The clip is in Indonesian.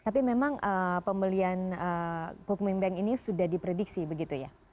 tapi memang pembelian cookminbank ini sudah diprediksi begitu ya